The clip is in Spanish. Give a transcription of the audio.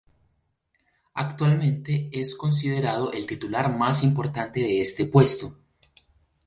Actualmente es considerado el titular más importante de este puesto.